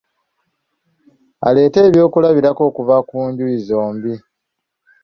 Aleete ebyokulabirako okuva ku njuyi zombi.